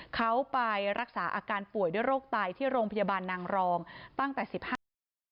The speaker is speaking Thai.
เขาไปรักษาอาการป่วยด้วยโรคไตที่โรงพยาบาลนางรองตั้งแต่๑๕นาที